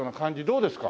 どうですか？